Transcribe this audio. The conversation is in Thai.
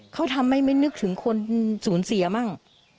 เขาทำให้ไม่นึกถึงคนสูญเสียมั่ง